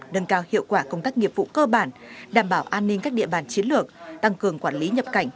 nâng cao hiệu quả công tác nghiệp vụ cơ bản đảm bảo an ninh các địa bàn chiến lược tăng cường quản lý nhập cảnh